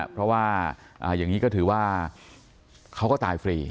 เพราะว่าอย่างนี้ก็ถือว่าเขาก็ตายฟรี